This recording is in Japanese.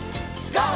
ＧＯ！